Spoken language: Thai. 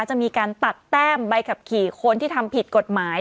จะมีการตัดแต้มใบขับขี่คนที่ทำผิดกฎหมาย